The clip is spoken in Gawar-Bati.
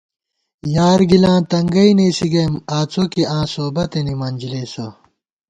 یارگِلاں تنگَئ نېسِی گئیم آڅوکے آں سوبَتَنی منجلېسہ